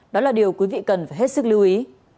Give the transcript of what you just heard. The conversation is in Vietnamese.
đó là điều quý vị cần phải hết sức lưu ý